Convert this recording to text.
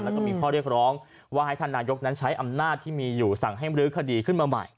แล้วก็มีข้อเรียกร้องว่าให้ท่านนายกนั้นใช้อำนาจที่มีอยู่สั่งให้มรื้อคดีขึ้นมาใหม่